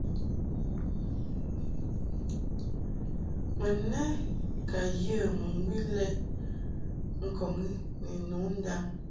Mun lɛ ka yə mɨŋgwi lɛ ŋkɔŋ i ni nu ndam.